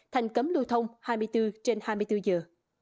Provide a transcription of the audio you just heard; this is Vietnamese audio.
thành cấm lưu thông hai mươi bốn trên hai mươi bốn giờ